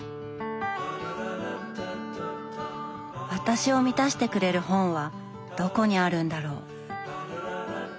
私を満たしてくれる本はどこにあるんだろう。